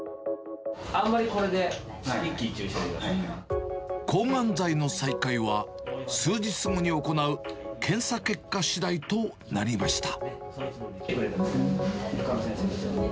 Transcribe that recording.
あんまりこれで一喜一憂しな抗がん剤の再開は、数日後に行う検査結果しだいとなりました。